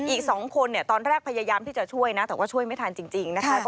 อีก๒คนเนี่ยตอนแรกพยายามที่จะช่วยนะแต่ว่าช่วยไม่ทันจริงนะคะ